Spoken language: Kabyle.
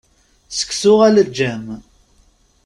Seksu aleǧǧam.